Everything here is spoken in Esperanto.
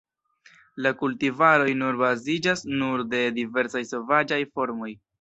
La kultivaroj nur baziĝas nur de diversaj sovaĝaj formoj.